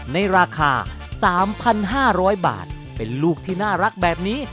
ในราคา๓๕๐๐บาทเป็นลูกที่น่ารักแบบนี้